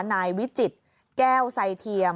นายวิจิตแก้วไซเทียม